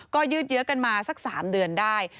ก็ยืดเยอะกันมาสัก๓เดือนได้